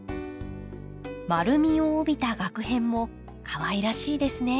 丸みを帯びたがく片もかわいらしいですね。